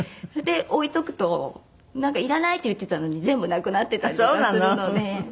で置いとくといらないって言ってたのに全部なくなってたりとかするので。